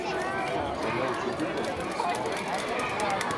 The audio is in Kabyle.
Tamawt-nnem ur temɛin ara.